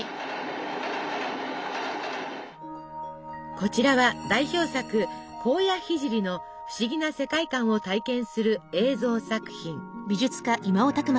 こちらは代表作「高野聖」の不思議な世界観を体験する映像作品。